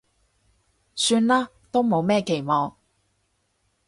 算啦，都冇咩期望